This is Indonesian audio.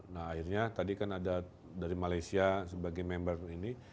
nah akhirnya tadi kan ada dari malaysia sebagai member ini